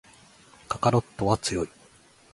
カカロットは強い